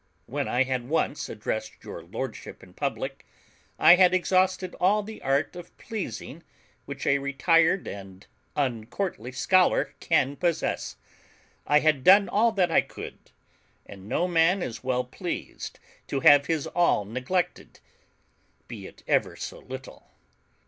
When I had once addressed your Lordship in public, I had exhausted all the art of pleasing which a retired and uncourtly scholar can possess. I had done all that I could; and no man is well pleased to have his all neglected, be it ever so little.